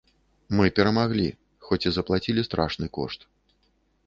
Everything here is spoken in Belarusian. Мы перамаглі, хоць і заплацілі страшны кошт.